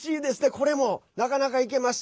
これも、なかなかいけます。